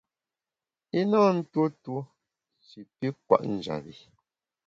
I na ntuo tuo shi pi kwet njap bi.